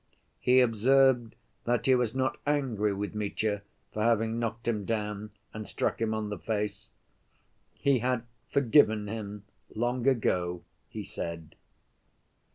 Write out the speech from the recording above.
He observed that he was not angry with Mitya for having knocked him down and struck him on the face; he had forgiven him long ago, he said.